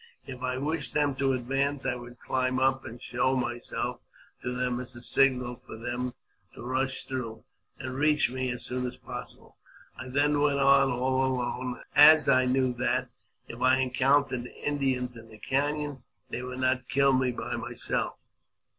If I wished them to advance, I would climb up and show myself to them as a signal for them to rush through, and reach me as soon as possible. I then went on all alone, as I knew that, if I encountered Indians in the canon, they would not kill me by myself.